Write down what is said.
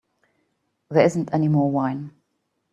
There isn't any more wine.